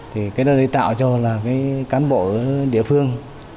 thì cái đó để tạo cho là cái cán bộ địa phương